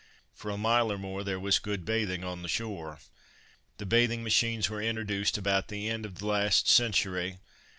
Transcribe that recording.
For a mile or more there was good bathing on the shore. The bathing machines were introduced about the end of the last century.